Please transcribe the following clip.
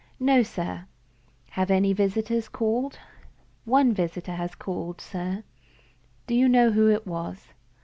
"No, sir." "Have any visitors called?" "One visitor has called, sir." "Do you know who it was?"